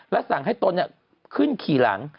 และสั่งให้ตนขึ้นขี่หลัง